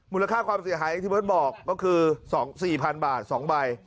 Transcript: มูลค่าความเสียหายอย่างที่เบิร์ตบอกก็คือ๔๐๐๐บาท๒ใบ